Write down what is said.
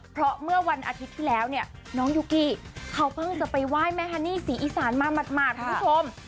เพราะเมื่อวันอาทิตย์ที่แล้วเนี่ยน้องยุกี้เขาเพิ่งจะไปไหว้แม่ฮันนี่ศรีอีสานมาหมาดคุณผู้ชม